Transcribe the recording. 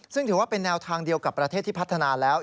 ซึ่งถือว่าเป็นแนวทางเดียวกับประเทศที่พัฒนาแล้ว